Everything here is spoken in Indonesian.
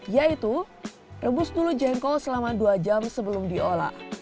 yaitu rebus dulu jengkol selama dua jam sebelum diolah